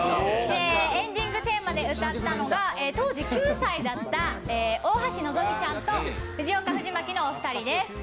エンディングテーマで歌ったのが当時９歳だった大橋のぞみちゃんと藤岡藤巻のお二人です。